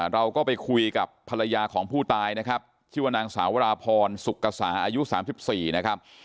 เราก็ไปคุยกับภรรยาของผู้ตายนะครับชื่อว่านางสาวราพรสุกษาอายุ๓๔นะครับ